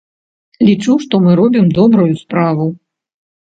Лічу, што мы робім добрую справу.